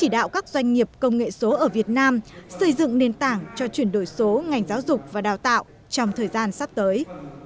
đạo các doanh nghiệp công nghệ số ở việt nam xây dựng nền tảng cho chuyển đổi số ngành giáo dục và đào tạo trong thời gian sắp tới